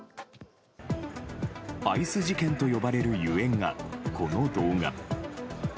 アイス事件と呼ばれるゆえんがこの動画。